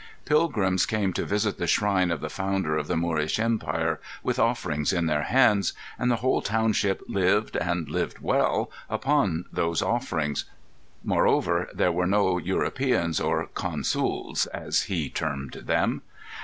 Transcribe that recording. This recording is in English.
Pilgrims came to visit the shrine of the founder of the Moorish Empire, with offerings in their hands; and the whole township lived, and lived well, upon those offerings. Moreover, there were no Europeans, or "consools," as he termed them.